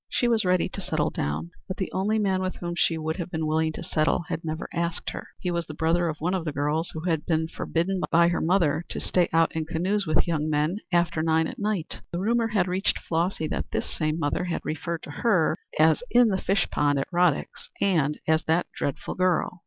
She was ready to settle down, but the only man with whom she would have been willing to settle had never asked her. He was the brother of one of the girls who had been forbidden by her mother to stay out in canoes with young men after nine at night. The rumor had reached Flossy that this same mother had referred to her in "the fish pond" at Rodick's as "that dreadful girl."